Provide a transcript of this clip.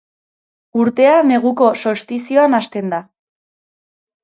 Urtea neguko solstizioan hasten da.